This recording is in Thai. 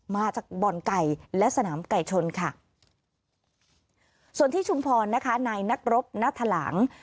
มาจากบ่อนไก่และสนามไก่ชนค่ะส่วนที่ชุมพรนะคะนายนักรบนัทหลัง